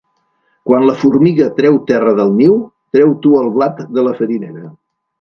Quan la formiga treu terra del niu, treu tu el blat de la farinera.